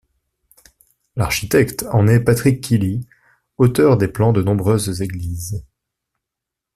L'architecte en est Patrick Keely, auteur des plans de nombreuses églises.